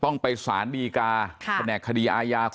ต้องไปสารดีกาค่ะแผนกคดีอายาใช่ค่ะ